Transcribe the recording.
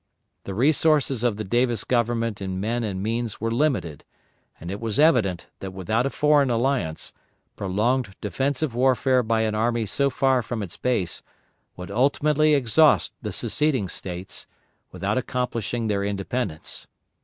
The resources of the Davis Government in men and means were limited, and it was evident that without a foreign alliance, prolonged defensive warfare by an army so far from its base, would ultimately exhaust the seceding States, without accomplishing their independence.